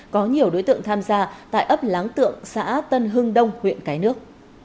có nhiều đối tượng tham gia tại ấp láng tượng xã tân hưng đông huyện cái nước